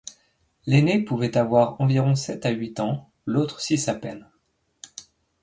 L’aînée pouvait avoir environ sept à huit ans, l’autre six à peine.